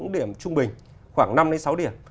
điểm trung bình khoảng năm sáu điểm